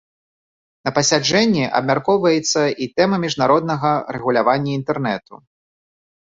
На паседжанні абмяркоўваецца і тэма міжнароднага рэгулявання інтэрнэту.